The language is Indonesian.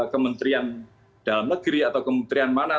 kementerian dalam negeri atau kementerian mana